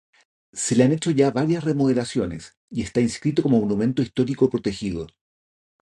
Se le han hecho ya varias remodelaciones y está inscrito como monumento histórico protegido.